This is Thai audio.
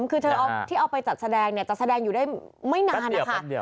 คือเธอที่เอาไปจัดแสดงจัดแสดงอยู่ได้ไม่นานนะคะ